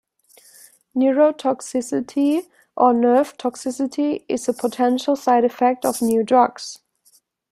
Neurotoxicity, or nerve toxicity, is a potential side-effect of new drugs.